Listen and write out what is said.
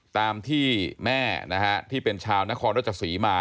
ตามที่แม่นะครับที่เป็นชาวนครรศสีมา